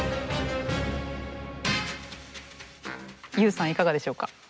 ＹＯＵさんいかがでしょうか？